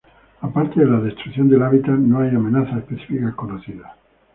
Aparte de la destrucción del hábitat, no hay amenazas específicas conocidas.